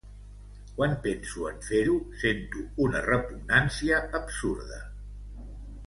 Quan penso en fer-ho, sento una repugnància absurda.